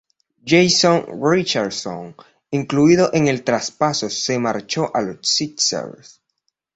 Jason Richardson, incluido en el traspaso, se marchó a los Sixers.